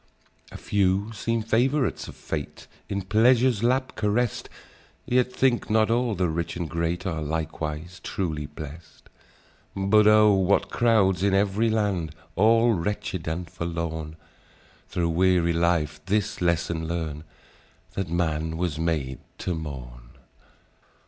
"A few seem favourites of fate, In pleasure's lap carest; Yet, think not all the rich and great Are likewise truly blest: But oh! what crowds in ev'ry land, All wretched and forlorn, Thro' weary life this lesson learn, That man was made to mourn.